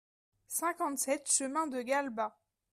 cinquante-sept chemin de Galbas